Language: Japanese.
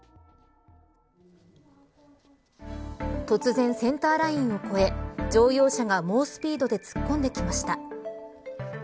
突然センターラインを越え乗用車が猛スピードで突っ込んできました。